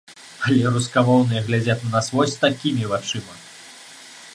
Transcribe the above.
Але рускамоўныя глядзяць на нас вось такімі вачыма!